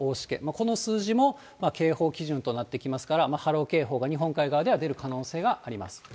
この数字も警報基準となってきますから、波浪警報が日本海側では出る可能性があります。